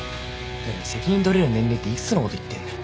でも責任取れる年齢って幾つのこと言ってんだよ？